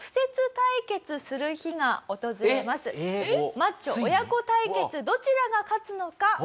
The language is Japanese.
マッチョ親子対決どちらが勝つのかご覧ください。